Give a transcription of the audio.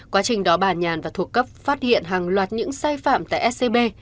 quá trình đó bà nhàn và thuộc cấp phát hiện hàng loạt những sai phạm tại scb